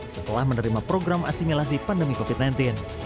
setelah menerima program asimilasi pandemi covid sembilan belas